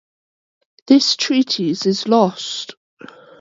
This treatise is lost.